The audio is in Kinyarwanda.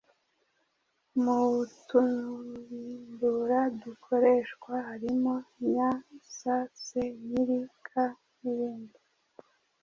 Mu tubimbura dukoreshwa harimo: nya, sa, se, nyiri, ka,...